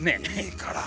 いいから。